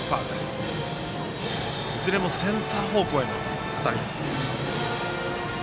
いずれもセンター方向への当たり。